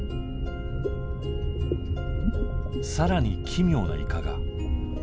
更に奇妙なイカが。